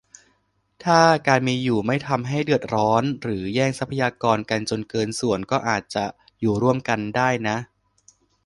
ถ้าการมีอยู่ไม่ทำให้เดือดร้อนหรือแย่งทรัพยากรกันจนเกินส่วน ก็อาจอยู่ร่วมกันได้นะ